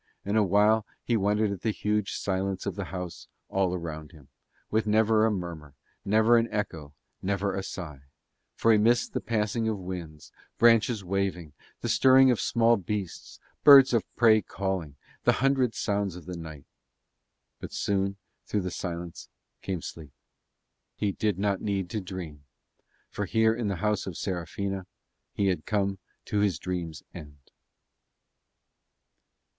And awhile he wondered at the huge silence of the house all round him, with never a murmur, never an echo, never a sigh; for he missed the passing of winds, branches waving, the stirring of small beasts, birds of prey calling, and the hundred sounds of the night; but soon through the silence came sleep. He did not need to dream, for here in the home of Serafina he had come to his dreams' end.